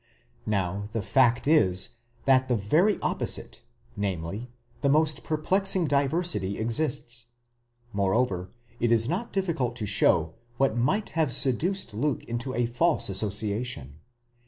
Now the fact is, that the very opposite, namely, the most perplexing diversity, exists. Moreover, it is not difficult to show what might have seduced Luke into a false association.